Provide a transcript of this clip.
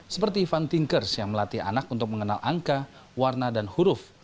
seperti fun thinkers yang melatih anak untuk mengenal angka warna dan huruf